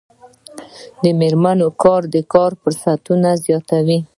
د میرمنو کار د کار فرصتونه زیاتوي.